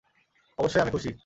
অবশ্যই আমি খুশি!